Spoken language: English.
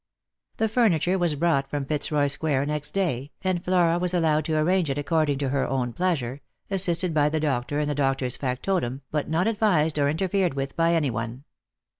The furniture was brought from Fitzroy square next day, and Flora was allowed to arrange it according to her own pleasure, assisted by the doctor and the doctor's factotum, but not advised or interfered with by any one.